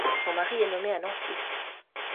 Son mari est nommé à Nancy.